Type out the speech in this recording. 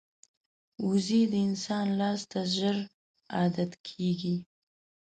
وزې د انسان لاس ته ژر عادت کېږي